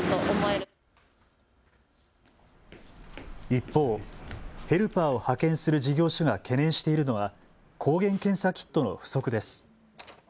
一方、ヘルパーを派遣する事業所が懸念しているのは抗原検査キットの不足です。